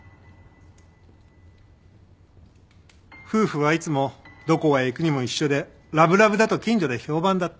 夫婦はいつもどこへ行くにも一緒でラブラブだと近所で評判だった。